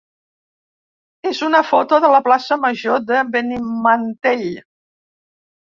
és una foto de la plaça major de Benimantell.